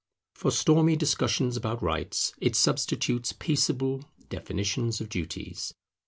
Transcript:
For stormy discussions about rights, it substitutes peaceable definition of duties.